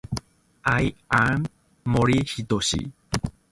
She was additionally crowdfunding to pay for travel to Montreal for genital surgery.